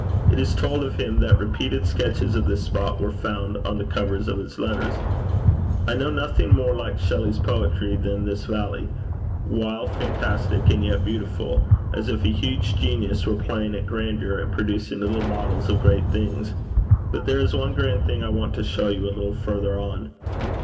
It is told of him that repeated sketches of the spot were found on the covers of his letters. I know nothing more like Shelley's poetry than this valley wildly fantastic and yet beautiful as if a huge genius were playing at grandeur, and producing little models of great things. But there is one grand thing I want to show you a little further on.'